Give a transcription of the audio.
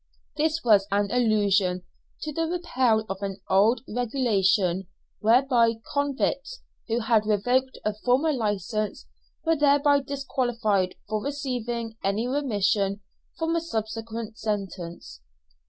This was an allusion to the repeal of an old regulation whereby convicts who had revoked a former licence were thereby disqualified for receiving any remission from a subsequent sentence.